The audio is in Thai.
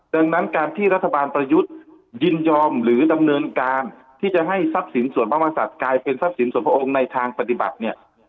ดังนั้นการที่รัฐบาลประยุทธ์ยินยอมหรือดำเนินการที่จะให้ทรัพย์สินส่วนพระมศัตว์กลายเป็นทรัพย์สินส่วนพระองค์ในทางปฏิบัติเนี่ย